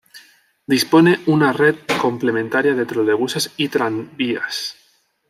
Dispone una red complementaria de trolebuses y tranvías.